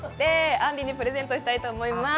あんりにプレゼントしたいと思います。